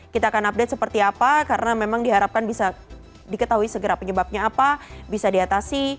kita akan update seperti apa karena memang diharapkan bisa diketahui segera penyebabnya apa bisa diatasi